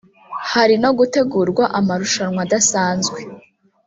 hari no gutegurwa amarushanwa adasanzwe